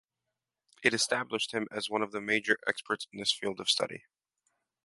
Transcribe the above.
It established him as one of the major experts in this field of study.